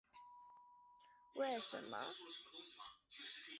它们的爬山能力仅次于羱羊。